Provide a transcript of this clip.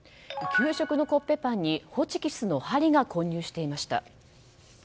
給食のコッペパンにホチキスの針が混入していました。